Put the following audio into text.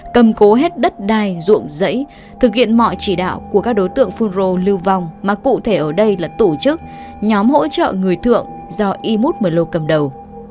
cầm cố hết đất đai ruộng dãy thực hiện mọi chỉ đạo của các đối tượng phun rô lưu vong mà cụ thể ở đây là tổ chức nhóm hỗ trợ người thượng do imut mờ lô cầm đầu